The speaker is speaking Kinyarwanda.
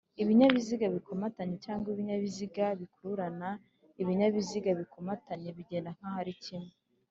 Ibinyabiziga bikomatanye cg ibinyabiziga bikururanaIbinyabiziga bikomatanye bigenda nkaho ari kimwe